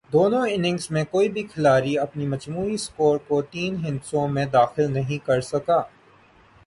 دونوں اننگز میں کوئی بھی کھلاڑی اپنے مجموعی سکور کو تین ہندسوں میں داخل نہیں کر سکا۔